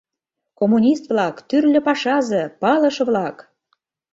Коммунист-влак, тӱрлӧ пашазе, палыше-влак!